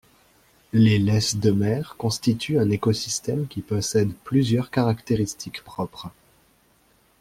Les laisses de mer constituent un écosystème qui possède plusieurs caractéristiques propres.